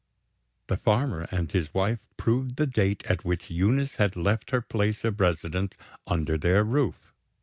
The farmer and his wife proved the date at which Eunice had left her place of residence under their roof.